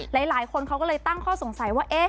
หลายคนเขาก็เลยตั้งข้อสงสัยว่า